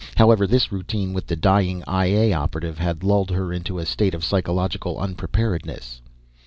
However, this routine with the dying I A operative had lulled her into a state of psychological unpreparedness.